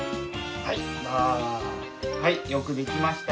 はいよくできました！